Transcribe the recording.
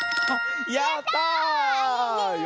やった！